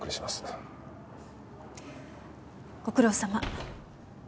ご苦労さま。